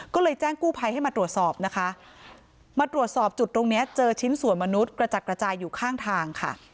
ก็เลยแจ้งกู้ภัยให้มาตรวจสอบนะคะมาตรวจสอบจุดตรงเนี้ยเจอชิ้นส่วนมนุษย์กระจัดกระจายอยู่ข้างทางค่ะ